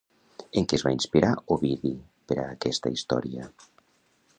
En què es va inspirar Ovidi per aquesta història?